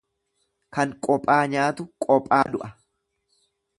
Kan qophaa nyaatu qophaa du'a.